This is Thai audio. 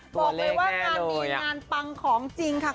บอกเลยว่างานดีงานปังของจริงค่ะ